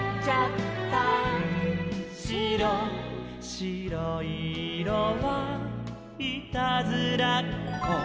「しろいいろはいたずらっこ」